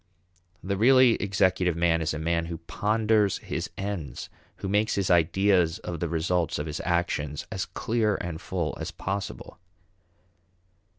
The really executive man is a man who ponders his ends, who makes his ideas of the results of his actions as clear and full as possible.